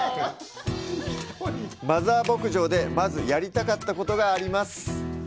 マザー牧場で、まず、やりたかったことがあります。